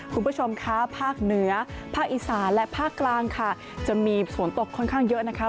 คุณผู้ชมคะภาคเหนือภาคอีสานและภาคกลางค่ะจะมีฝนตกค่อนข้างเยอะนะคะ